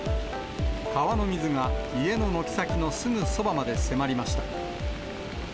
川の水が家の軒先のすぐそばまで迫りました。